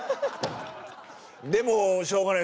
でもしょうがない。